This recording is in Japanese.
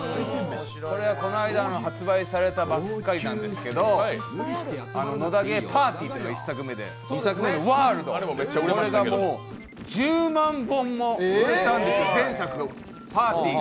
これはこの間発売されたばっかりなんですけど「野田ゲーパーティー」が１作目で２作目の「ＷＯＲＬＤ」前作が１０万本も売れたんですよ。